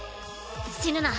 死ぬな。